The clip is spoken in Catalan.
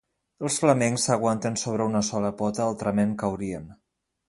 Els flamencs s'aguanten sobre una sola pota, altrament, caurien.